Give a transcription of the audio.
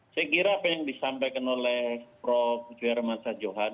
saya kira apa yang disampaikan oleh prof buyar masa johan